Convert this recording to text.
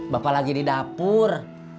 bapak lagi di dapur